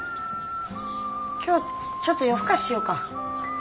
今日ちょっと夜更かししようか。